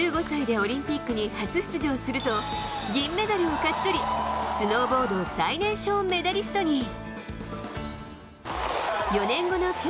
１５歳でオリンピックに初出場すると、銀メダルを勝ち取り、スノーボード最年少メダリストに。